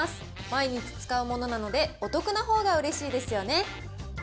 毎日使うものなので、お得なほうがうれしいですよね。